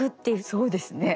そうですね。